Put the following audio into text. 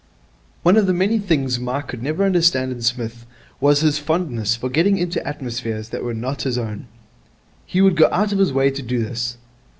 One of the many things Mike could never understand in Psmith was his fondness for getting into atmospheres that were not his own. He would go out of his way to do this.